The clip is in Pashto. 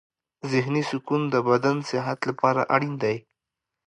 ذهني سکون د بدن صحت لپاره اړین دی.